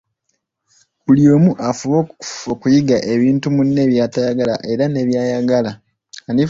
Buli omu afube okuyiga ebintu munne by’atayagala era ne byayagala.